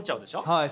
はい。